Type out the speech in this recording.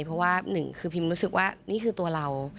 เพราะว่าหนึ่งคือพิมรู้สึกว่านี่คือตัวเรา